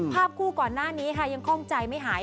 ภาพคู่ก่อนหน้านี้ค่ะยังคล่องใจไม่หาย